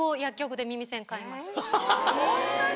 そんなに？